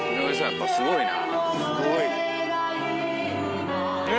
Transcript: やっぱすごいな。